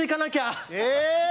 え！